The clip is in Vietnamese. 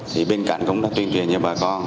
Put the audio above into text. thì bên cạnh cũng đã tuyên truyền cho bà con